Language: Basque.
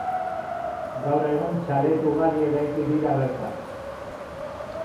Gaur egun txalet ugari eraiki dira bertan.